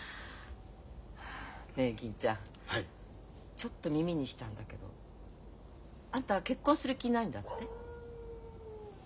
ちょっと耳にしたんだけどあんた結婚する気ないんだって？